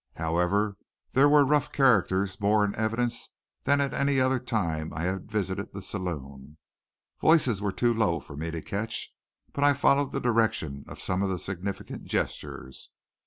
However, there were rough characters more in evidence than at any other time I had visited the saloon. Voices were too low for me to catch, but I followed the direction of some of the significant gestures.